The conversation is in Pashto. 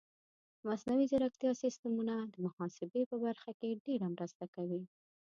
د مصنوعي ځیرکتیا سیستمونه د محاسبې په برخه کې ډېره مرسته کوي.